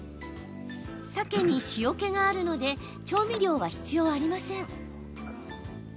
サケに塩けがあるので調味料は必要ありません。